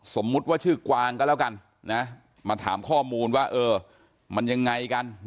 สมมุติว่าชื่อกวางก็แล้วกันมาถามข้อมูลว่ามันยังไงกัน